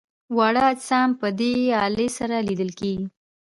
واړه اجسام په دې الې سره لیدل کیږي.